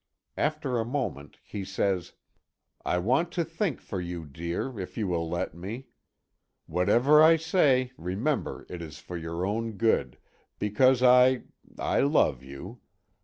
After a moment he says: "I want to think for you, dear, if you will let me. Whatever I say, remember it is for your own good, because I I love you.